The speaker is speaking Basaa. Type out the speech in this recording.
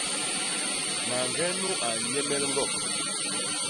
Mañge nu a nnyemel ñgok.